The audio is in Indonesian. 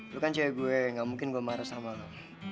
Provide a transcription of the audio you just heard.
lu kan cewek gue gak mungkin gue marah sama lo